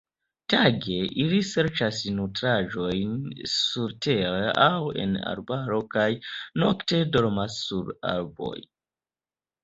Tage ili serĉas nutraĵojn surtere aŭ en arbaro kaj nokte dormas sur arboj.